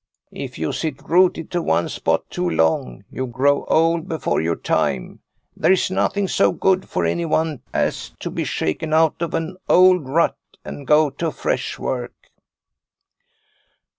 " If you sit rooted to one spot too long, you grow old before your time. There is nothing so good for anyone as to be shaken out of an old rut and go to fresh work."